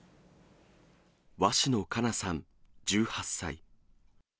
鷲野花夏さん１８歳。